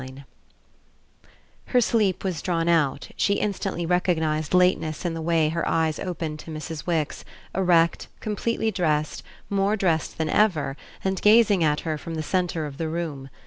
XXIX Her sleep was drawn out, she instantly recognised lateness in the way her eyes opened to Mrs. Wix, erect, completely dressed, more dressed than ever, and gazing at her from the centre of the room.